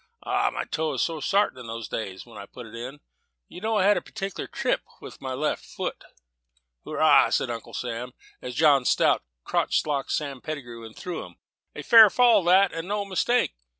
Ah, my toe was so sartin in those days, when I put it in! You know I had a particular trip with my left foot." "Hoora!" said Uncle Sam, as John Strout crotch locked Sam Pettigrew, and threw him; "a fair fall that, and no mistake.